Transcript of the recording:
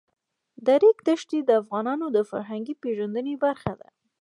د ریګ دښتې د افغانانو د فرهنګي پیژندنې برخه ده.